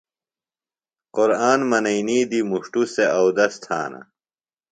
قُرآن منئینی دی مُݜٹوۡ سےۡ اودس تھانہ۔